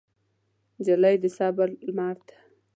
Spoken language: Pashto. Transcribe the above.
نجلۍ د صبر لمر ده.